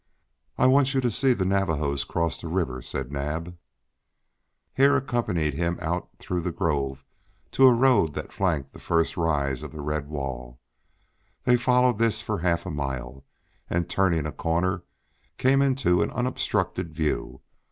"I want you to see the Navajos cross the river," said Naab. Hare accompanied him out through the grove to a road that flanked the first rise of the red wall; they followed this for half a mile, and turning a corner came into an unobstructed view.